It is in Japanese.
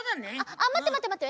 あまってまってまって！